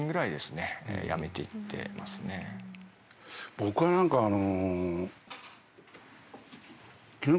僕はなんかあの。